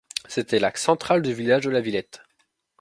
C'était l'axe central du village de La Villette.